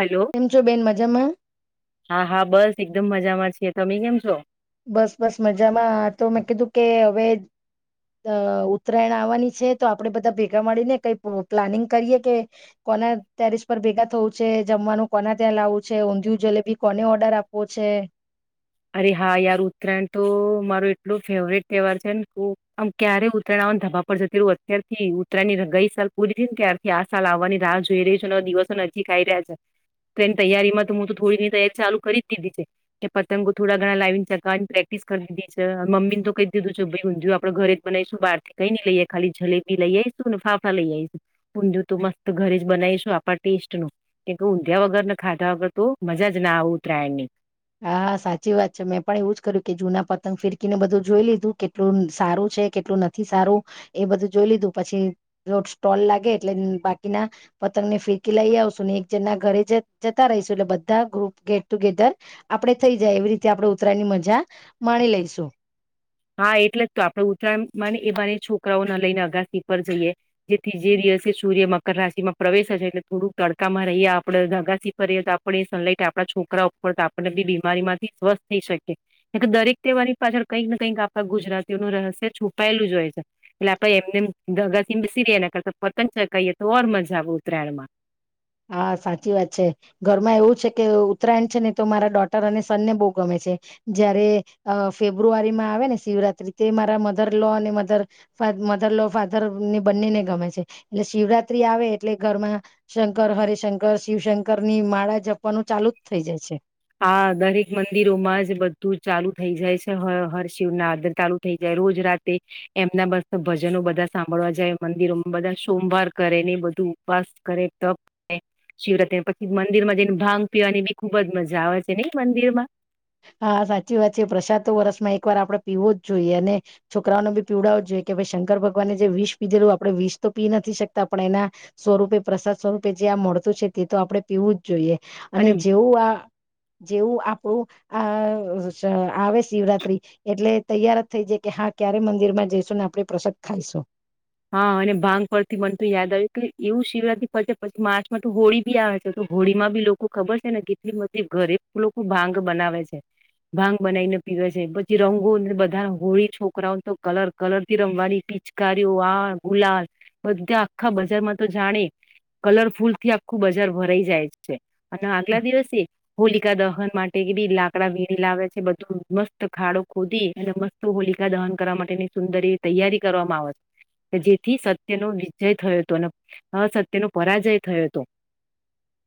Hello, કેમ છો બેન મજામાં? હા-હા બસ એકદમ મ મજા માં જ છીએ તમે કેમ છો? બસ, બસ મજામાં આ તો મેં કીધું કે હવે અ ઉત્તરાયણ આવવાની છે તો આપડે બધા ભેગા મળી ને કઈ પ્લાનિંગ કરીએ કે કોના ટેરેિસ પર ભેગા થવું છે? જમવાનું કોના ત્યાં લાવું છે? ઊંધિયું જલેબી કોને ઓર્ડર આપવો છે? અરે, હા યાર ઉત્તરાયણ તો મારો એટલો ફેવરેટ તહેવાર છે ને કે આમ ક્યારે ઉત્તરાયણ આવવાને ધબા પરડ જતી રહું અત્યારથી ઉત્તરાયણની ગઈ સાલ પૂરી થ ને ત્યારથી આ સાલ આવવાની રાહ જોઈ રહી છે અને દિવસો નજીક આ આવી રહ્યા છે તો એની તૈયારી માં તો હું તો થોડી તૈયારી ચાલુ કરી જ દીધી છે કે પછ પતંગો થોડા ઘણા લાવીને ચગાવવાની પ્રેક્ટિસ કરી દીધી છે અને મમ્મીને તો કહી દીધું છે ભઈ ઊંધિયુ તો આપણે ઘરે જ બનાઈશું બહારથી કઈ નઈ લઈએ ખાલી જલેબી લઈ આવીઈશું ને ફાફડા લઈ આવીઈશું ઊંધિયુ તો મસ્ત ઘરે જ બનાવીશું આપણા ટેસ્ટ નું કેમ ઊંધિયા વગર ને ખાધા વગર તો મજાજ ના આવ ઉતરાયણની. હા, સાચી વાત છે મેં પણ એવું જ કર્યું કે જૂના પતંગ ફિરકીને બધું જોઈ લીધું કેટલું સારું છે કેટલું નથી સારું એ બધું જોઈ લીધું પછી સ્ટોલ લાગે એટલે બાકીના પતંગ ને ફિરકી લઈ આવશું ને એક જના ઘરે જ જતા રહીશું એટલે બધા ગ્રુપ ગેટ ટુગેધર આપડણે થઈ જાય એવી રીતે આપણે ઉતરાયણની મજા માણી લઈશું. હા, એટલે જ તો આપણેે ઉત્તરાયણ મા એ બહાને છોકરાઓને લઈને અગાસી પર જઈએ જેથી જે દિવસે સૂર્ય મકર રાશિ માં પ્રવેશ હશે એટલે થોડુંક તડકામાં રહીએ આપડે અગાસી પર રએ તો આપણે સનલાઈટ આપણા છોકરા ઉપર તો આપણને બી બીમારી માંથી સ્વસ્થ થઈ શકીએ દરેક તેહેવાની પાછળ કંઈક ને કં કઈક આપણા ગુજરાતીઓ નું રહસ્ય છુપાયેલું જ હોય છે એટલે આપે એમને દગાસસીરી કરતા પતંગ ચકઈએ તો ઓર મજા આવે ઉતરાયણમાં. હા, સાચી વાત છે ઘરમાં એવું છે કે ઉત્તરાયણ છે ને તો મારા ડોટર અને સનને બહુ ગમે છે જયારે ફેબ્રુઆરીમાં આવે ને શિવરાત્રી તે મારા મધર લો અને મધર-મધર લો, ફાધર ને બંનેને ગમે છે એટલે શિવરાત્રી આવે એટલે ઘરમાં શંકર હરિશંકર શિવશંકર ની માળા જપ વા નું ચાલુ જ થઈ જાય છે. હા, દરેક મંદિરોમાં જ બધું ચાલુ થઈ જાય છે હર હર શિવ નાથ ચાલુ થઈ જાય રોજ રાતે એમના બસ ભજનો બધા સાંભળવા જાય મંદિરોમાં બધા સોમવાર કરે ને બધું ઉપવાસ કરે, તપ કરે, શિવરાત્રી પછી મંદિર માં જઈને ભાંગ પીવાની ભી ખુબ જ મજા જ આવે છે નહી મંદિરમાં હા, સાચી વાત છે પ્રસાદ તો વર્ષમાં એક વાર આપણે પીવો જ જોઈએ અને છોકરાઓને ભી પીવડાવો જ જોઈએ કે ભાઈ શંકર ભગવાને જે વિષ પીધેલું આપણેે વિષ તો પી નથી શકતા પણ એના સ્વરૂપે પ્રસાદ સ્વરૂપે જે આ મળતું છે તે તો આપડણે પીવું જ જોઈએ. અને જેવું આ, જેવું આપ ઓ આ આવે શિવરાત્રી એટલે તૈયાર જ થઈ જાય કે હા, ક્યારે મંદિર માં જઈશું ને આપે પ્રસાદ ખાઈશું. હા, અને ભાંગ પરથી મન તો યાદ આવયુ કે એવું શિવરાત્રી પછ પછી માર્ચમાં તો હોળી ભી આવે છે તો હોળીમાં ભી લોકો ખબર છે ને કેટલી બધી ઘરે લોકો ભાંગ બનાવે છે, ભાંગ બનાવીને પીવે છે પછી રંગો બધા હોળી છોકરાઓ તો કલર-કલર થી રમવાની પિચકારીઓ આ ગુલા બધા આખા બજારમાં તો જાણે કલરફુલ થી આખું બજાર ભરાઈ જાય છે અને આગલા દિવસે હોલિકા દહન માટે બી લાકડા વીણી લાવે છે બધું મસ્ત ખાડો ખોદી અને મસ્ત હોલિકા દહન કરવા માટેની સુંદર એવી તૈયારી કરવામાં આવે છે. કે જેથી સત્યનો વિજય થયો હતો અને અ સત્યનો પરાજય થયો હતો.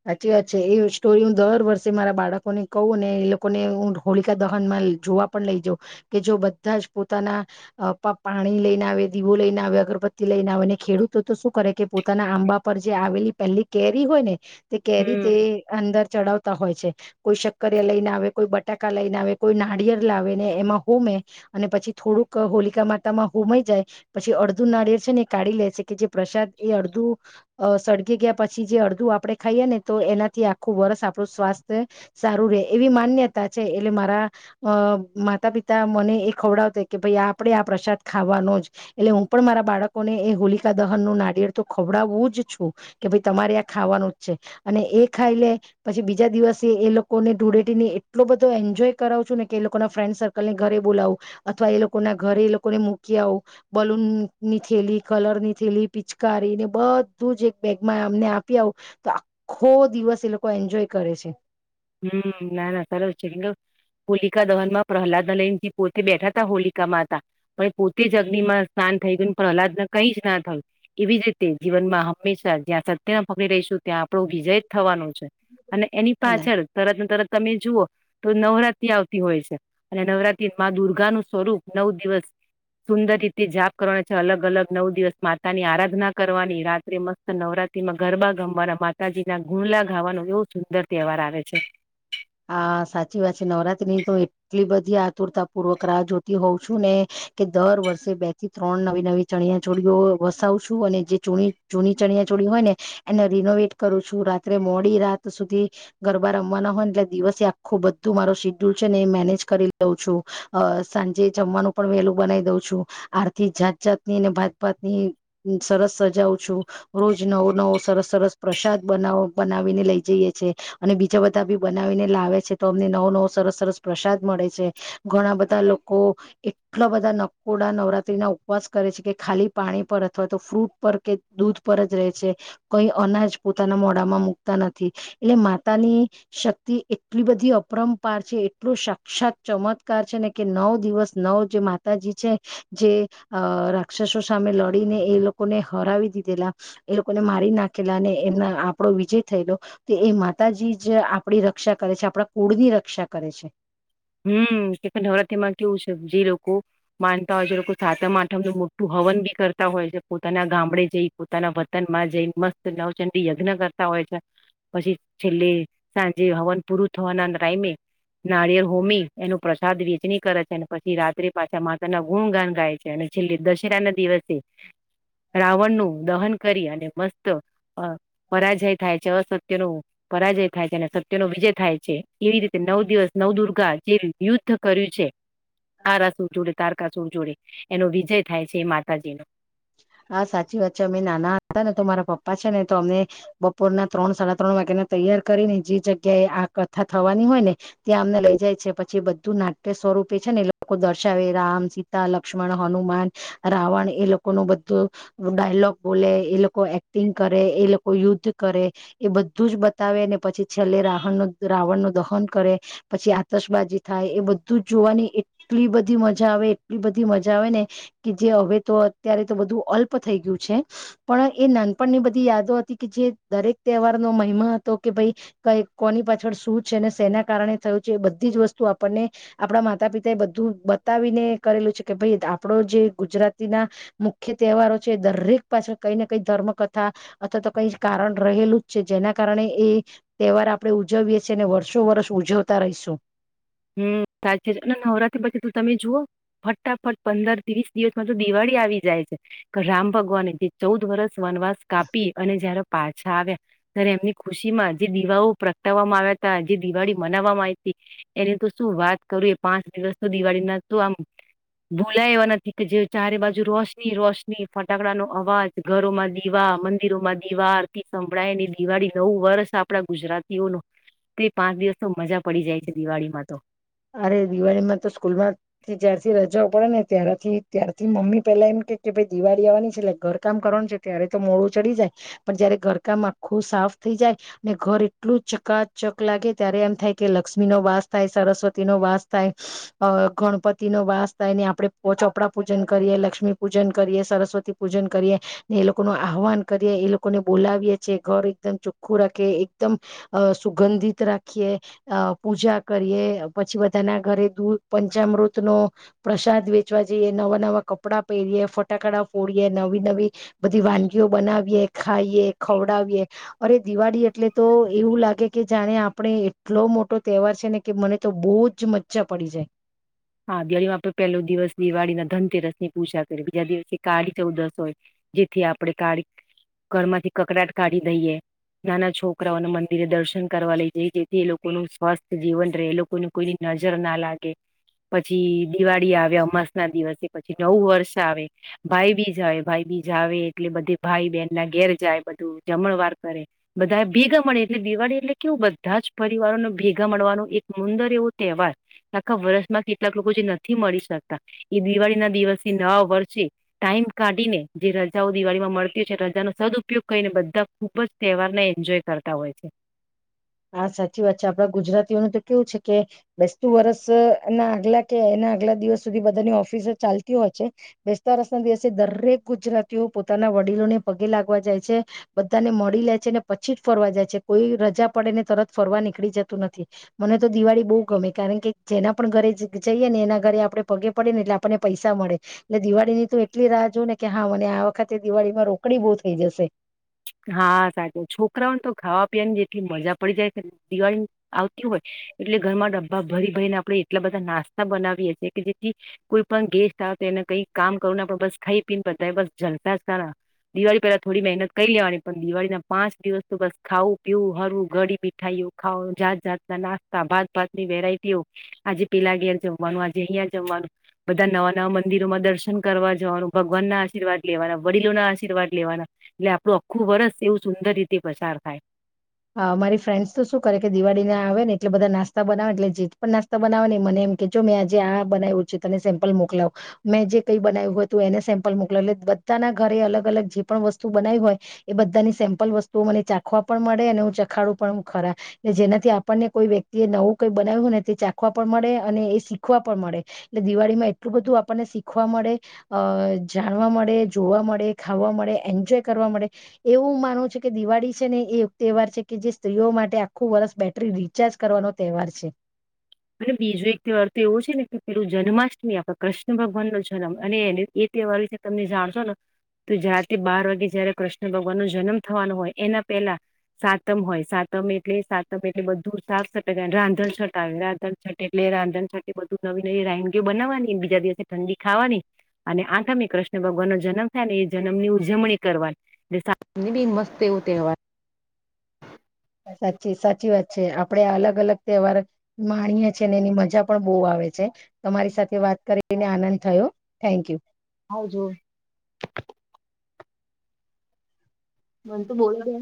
સાચ્છી વાચ્છી એ સ્ટોરી હું દર વર્ષે મારા બાળકોને કહું ને એ લોકોને હું હોલિકા દહન માં જોવા પણ લઈ જાઉં કે જો બધા જ પોતાના પાણી લઈ ને આવે દીવો લઈને આવે અગરબત્તી લઈ ને આવે ને ખેડૂતો તો શું કરે કે પોતાના આંબા પર જે આવેલી પહેલી કેરી હોય ને. તે કેરીતે હમ અંદર ચડાવતા હોય. કોઈ શક્કરિયા લઈને આવે કોઈ બટાકા લઈને આવે કોઈ નારિયળ લાવે ને એમાં હોમે અને પછી થોડુંક હોલિકા માતામાં હોમાઈ જાય પછી અડધું નારિયે છે ને એ કાઢી લે છે કે જે પ્રસાદ એ અડધું સળગી ગયા પછી જે અડધું આપડે ખાઈએ ને તો એનાથી આખું વર્ષ આપણું સ્વાસ્થ્ય સારું રહેે એવી માન્યતા છે એટલે મારા માતા પિતા મને એ ખવડાવતા કે ભાઈ આપડે આ પ્રસાદ ખાવાનો જ એટલે હું પણ મારા બાળકોને એ હોલિકા દહન નું નારિયેળ તો ખવડાવવું જ છું કે ભાઈ તમારે આ ખાવાનું અને એ ખાઈ લ પછી બીજા દિવસે એ લોકોને ધૂળેટીીને એટલો બધો એન્જોય કરાવું છું ને કે એ લોકો ના ફ્રેન્ડ સર્કલને ઘરે બોલાવું અથવા એ લોકો ના ઘરે એ લોકોને મૂકી આવું બલૂનની થેલી કલર ની થેલી પિચકારીને બધું જ એક બેગમાં અમને આપી આવું. તો આખો દિવસ એ લોકો એન્જોય કરે છે. હમ ના ના સરસ છે કે હોલિકા દહન માં પ્રહલાદ લઈ ને પોતે બેઠા ત હોલિકામાં હતા પણ પોતે જ અગ્નિ માં સ્નાન થઈ ગયું પ્રહલાદ કઈ જ ના થયું એવી જ રીતે જીવનમાં હંમેશા જ્યાં સત્યને પકડી રહીશું ત્યાં આપણો વિજય જ થવાનો. અને એની પાછળ તરત તરત તમે જુઓ તો નવરાત્રી આવતી હોય છે અને નવરાત્રી મા દુર્ગાનુંું સ્વરૂપ નવ દિવસ સુંદર રીતે જાપ કરવાનું છે અલગ અલગ નવ દિવસ માતા ની આરાધના કરવાની રાત્રે મસ્ત નવરાત્રીમાં ગરબા ગમવાના માતાજીના ગુંડલા ગાવાનું એવો સુંદર તહેવાર આવે છે. છે. હા સાચી વાત છે નવરાત્રીની તો એટલી બધી આતુરતા પૂર્વક રાહ જોતી હોઉં છું ને કે દર વર્ષે બે થી ત્રણ નવી નવી ચણિયા ચોળીઓ વસાવ છું અને જે ચૂ ચૂની ચણિયાચોળી હોય ને એને રિનોવેટ કરું છું રાત્રે મોડી રાત સુધી ગરબા રમવાના હોય એટલે દિવસે આખું બધું મારો શેડ્યુલ છે ને એ મેનેજ કરી દઉં છું અ સાંજે જમવાનું પણ વહેલું બનાવી દઉં છું આરથી જાત જાત ની અનેને ભાતભાતની સરસ સજા છું રોજ નવો નવો સરસ સરસ પ્રસાદ બનાવ બનાવીને લઈ જઈએ છે અને બીજા બધા બી લ છે તો અમને નવો નવો સરસ સરસ પ્રસાદ મળે છે ઘણા બધા લોકો એટલા બધા નકોડા નવરાત્રી ના ઉપવાસ કરે છે કે ખાલી પાણી પર અથવા તો ફ્રૂટ પર કે દૂધ પર જ રહે છે કઈ અનાજ પોતાના મોડામાં મુકતા નથી એટલે માતાની તે એટલી બધી અપરંપાર છે એટલો સાક્ષાત ચમત્કાર છે ને કે નવ દિવસ નવ જે માતાજી છે જે રાક્ષસો સામે લડીને એ લોકોને હરાવી દીધેલા એ લોકોને મારી નાખેલા ને એમના આપડો વિજય થયેલો એ માતાજી જ આપડી રક્ષા કરે છે આપણા કોળની રક્ષા કરે છે. હમ કે નવરાતી માં કેવું છે. જે લોકો માનતા હોય છે લોકો સાતમ આઠમ ન મોટું હવન બી કરતા હોય છે પોતાના ગામડે જઈ પોતાના વતન માં જઈ મસ્ત નવચંડી યજ્ઞ કરતા હોય છે પછી છેલ્લે સાંજે હવન પૂરું થવાના ટાઈમે નારિયેર હોમી એનું પ્રસાદ વેચણી કરે છે અને પછી રાત્રે પાછા માતા ના ગુણગાન ગાય છે અને છેલ્લે દશેરા ના દિવસે રાવણ નું દહન કરી અને મસ્ત અ પરાજય થાય છે અસત્ય ન પરાજય થાય છે અને સત્ય નો વિજય થાય છે એવી રીતે નવ દિવસ નવ દુર્ગ [unintelligible] યુદ્ધ કર્યું છે. આ રસું જોડે તાર સર જોડે એનો વિજય થાય છે એ માતાજીનો હા સાચી વાત છે અમે નાના હતા ને તો મારા પપ્પા છે ને તો અમને બપોરના ત્રણ સાડા ત્રણ વાગ્યાને તૈયાર કરીને જે જગ્યાએ આ કથા થવાની હોય ને ત્યાં અમને લઈ જાય છે પછી એ બધું નાટ્ય સ્વરૂપે છે ને એ લોકો દર્શાવે રામ સીતા લક્ષ્મણ હનુમાન રાવણ એ લોકો લોકો ન બધું ડાયલોગ બોલે એ લોકો એક્ટિંગ કરે એ લોકો યુદ્ધ કરે એ બધું જ બતાવે ને પછી છેલ્લે રાહણ રાવણ નું દહન કરે પછી આતશબાજી થાય એ બધું જ જોવાની એટલી બધી મજા આવે એટલી બધી મજા આવે ને કે જે હવે તો ત્યારે તો બધું અલ્પ થઈ ગયું છે પણ એ નાનપણની બધી યાદો હતી કે જે દરેક તહેવારનોો મહિમા હતો કે ભાઈ ક કોની પાછળ શું છે ને શેના કારણે થયું છે એ બધી જ વસ્તુ આપણને આપડા માતા પિતા એ બધું બતાવીને કરેલું છે કે ભાઈ આપડો જે ગુજરાતીના મુખ્ય તહેવારો છે દરેક પાછળ કઈ ને કઈ ધર્મ કથા અથવા તો કઈ કારણ રહેલું જ છે જેના કારણે એ તહેવાર આપણે ઉજવીએ છેીએ ને વર્ષો વર્ષ ઉજવતા રહીશું. હમ સાચી જ અને નવરાત્રી પછી તો તમે જુઓ ફટાફટ પંદર ત્રીસ દિવસમાં તો દિવાળી આવી જાય છે રામ ભગવાને જે ચૌદ વરસ વનવાસ કાપી અને જયારે પાછા આવ્યા ત્યારે એમની ખુશી માં જે દિવાઓ પ્રગટાવવામાં આવ્યા ત જે દિવાળી મનાવવામાં આવી હતી. એની તો શું વાત કરું એ પાંચ દિવસ દિવાળી ના તો આમ ભૂલાય એવા નથી કે જે ચારે બાજુ રોશની રોશની ફટાકડા નો અવાજ ઘરોમાં દીવા મંદિરોમાં દીવારતી સંભળાયેની દિવાળી નવું વર્ષ આપડા ગુજરાતીઓ ન તે પાંચ દિવસ મજા પડી જાય. દિવાળીમાં તો અરે દિવાળીમાં તો સ્કૂલ માંથી જ્યારથી રજાઓ પડે ને તારથી ત્યારથી મમ્મી પેલા એમ કે કે ભાઈ દિવાળી આવવાની છે એટલે ઘરકામ કરવાનું છે ત્યારે તો મોડું ચડી જાય પણ જયારે ઘરકામ આખું સાફ થઈ જાય ને ઘર એટલું ચકાચક લાગે ત્યારે એમ થાય કે લક્ષ્મી નો વાસ થાય. સરસ્વતી ન વાસ થાય ગણપતિ નો વાસ થાય ને આપડે ચોપડા પૂજન કરીએ, લક્ષ્મી પૂજન કરીએ સરસ્વતી પૂજન કરીએ ને એ લોકો ન આહવાન કરીએ એ લોકોને બોલાવીએ છે, ઘર એકદમ ચોખ્ખું રાખએ એકદમ સુગંધિત રાખીએ પૂજા કરીએ. પછી બધાના ઘરે દૂધ, પંચામૃત નો પ્રસાદ વેચવા જઈએ, નવા નવા કપડાં પહેરીએે ફટાકડા ફોડીએ નવી, નવી બધી વાનગીઓ બનાવીએ ખાઈએ, ખવડાવીએ અરે દિવાળી. એટલે, તો એવું લાગે. કે જાણે, આપણે એટલો મોટો તહેવાર છે ને કે મને. તો, બહુ જ મજ્જા પડી જાય. હા, દિવાળીમાં આપે પહેલો દિવસ દિવાળી ના ધનતેરસ ની પૂજા કરીએ બીજા, દિવસે કાળી ચૌદશ હોય જેથી આપણે કાળી ઘરમાંથી કકડાટ કાઢી દઈએ નાના છોકરાઓના મંદિરે દર્શન કરવા લઈ જઈ, જેથી એ લોકોનું સ્વસ્થ જીવન રહે, લોકોને કોઈની નજર ના લાગે. પછી. દિવાળી આવ્યા, અમાસ ના દિવસે. પછી નવું વર્ષ આવે ભાઈ, બીજ આવે ભાઈ બીજ, આવે એટલે બધે ભાઈ બહેન ના ઘેર જાય બધું, જમણવાર કરે બધા ભેગા મળે એટલે દિવાળી એટલે કેવું બધા જ, પરિવારોને ભેગા મળવાનો, એક મુંંદર એવો તહેવાર આખા વર્ષ. માં કેટલાક લોકો જે નથી મળી શકતા, એ દિવાળી ના દિવસથી નવા વર્ષે ટાઈમ કાઢીને જે રજાઓ દિવાળીમાં મળતી હોય છે, રજાનો સદ ઉપયોગ કરીને બધા ખૂબજ, તહેવારને એન્જોય કરતા હોય છે. હા સાચી વાત છે આપડા ગુજરાતીઓનું તો કેવું છે, કે બેસતું વરસ ના આગલા કે એના આગલા દિવસ સુધી બધાની ઓફિસ ચાલતી હોય છે, બેસતા વરસ ના દિવસે દરેક ગુજરાતીઓ પોતાના વડીલોને પગે લાગવા જાય છે, બધાને મળી લે છેને, પછી જ ફરવા જાય છે, કોઈ રજા. પડે ને તરત ફરવા નીકળી જતું, નથી મને તો દિવાળી બહુ ગમે કારણ કે જેના, પણ ઘરે જઈએ ને એના ઘરે આપડણે પગે પડે ને એટલે આપણને, પૈસા મળે એટલે દિવાળીની તો એટલી રાહ જોય, ને કે હા મને આ વખતે દિવાળીમાં રોકડી બહુ થઈ, જશે. હા, સાચું છોકરાઓને તો ખાવા. જેટલી મજા પડી જાય દિવાળ આવતી હોય, એટલે ઘરમાં ડબ્બા ભરી ભરીને આપણે, એટલા બધા નાસ્તા બનાવીએ છએ, કે જે. કોઈ, પણ ગેસ આવ તો એને. કઈ, કામ કર ના. બસ ખાઈ, પીન પતાય બસ. જલપ્યાસ કર. દિવાળી, પેલા થોડી મહેનત. લઈ લેવાની પણ દિવાળી ના પાંચ દિવસ, તો બસ ખાવું પીવું હરવું ઘડી મીઠાઈઓ ખાવાનું જાત જાતના, નાસ્તા ભાત ભાતની વેરાયટીઓ આજે પેલા ઘર જમવાનું આજે, અહિયાંયા જમવાનું, બધા નવા નવા મંદિરોમાં દર્શન કરવા જવાનું, ભગવાન ના આશીર્વાદ લેવાના વડીલો ના આશીર્વાદ લેવાના. એટલે આપણું, આખું વરસ, એવું સુંદર રીતે પસાર થાય. હા, મારી ફ્રેન્ડ્સ તો શું કરે કે દિવાળી ના આવે, ને એટલે બધા નાસ્તા બનાવે એટલે જે પણ નાસ્તા બનાવે ને મને એમ કેજો મેં આજે આ બનાવ્યું છે, તને સેમ્પલ મોકલાવ મેં જે કઈ બનાવ્યું હોય, તો એને સેમ્પલ મોકલાવ એટલે બધાના ઘરે અલગ અલ જે પણ વસ્તુ બનાવી હોય, એ બધાની સેમ્પલ વસ્તુઓ મને ચાખવા પણ મળે. હું, ચખાડું પણ ખરાલે જેનાથી આપણને કોઈ વ્યક્તિ એ નવું કઈ, બનાવ્યું ને તે ચાખવા પણ મળે અને એ શીખવા, પણ મળે એટલે દિવાળી માં એટલું બધું આપણને શીખવા, મળે અ જાણવા મળે જોવા, મળે ખાવા મળે એન્જોય કરવા મળે એવું માનવું છે કે દિવાળી છે ને એ. તહેવાર છે, કે જે સ્ત્રીઓ માટે આખું વર્ષ બેટરી રિચાર્જ, કરવાનો તહેવાર છે. અને બીજો એક તહેવાર તો એવો છે, ને કે પેલું જન્માષ્ટમી, આપે કૃષ્ણ ભગવાન નો જન્મ અને એ તહેવાર તમે જાણશો, ને તો જાતે બાર વાગે જયારે કૃષ્ણ ભગવાન, ન જન્મ થવાનો હોય એના પેલા સાતમ હોય સાતમ એટલે સાતમ, એટલે બધું સાફ સટ રાંધણ છટાવે. રા છ, એટલે રાંધણ છટ, એ બધું નવી નવી રાનગીઓ બનાવાની બીજા, દિવસે ઠંડી ખાવાની અને આઠમી કૃષ્ણ ભગવાન નો જન્મ થાય, ને એ જન્મ, ની ઉજવણી કરવાની એ મસ્ત એવું તહેવાર. સાચી, સાચી વાત છે. છે, આપડે અલગ અલગ તહેવાર માણીયે છ, છે, અને એની મજા પણ બહ આવે છે. તમારી, સાથે વાત કરી. તેને આનંદ થયો, થેન્ક યુ. હજ. મને, તું બોલો દે.